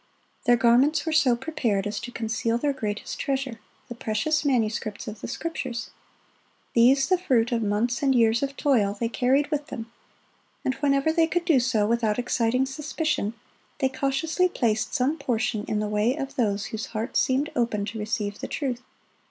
Their garments were so prepared as to conceal their greatest treasure,—the precious manuscripts of the Scriptures. These, the fruit of months and years of toil, they carried with them, and whenever they could do so without exciting suspicion, they cautiously placed some portion in the way of those whose hearts seemed open to receive the truth.